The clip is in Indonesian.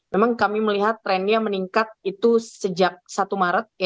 memang kami melihat trennya meningkat itu sejak satu maret